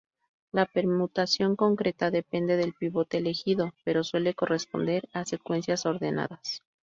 La permutación concreta depende del pivote elegido, pero suele corresponder a secuencias ordenadas.